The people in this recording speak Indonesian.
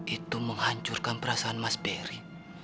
itu menghancurkan perasaan mas berry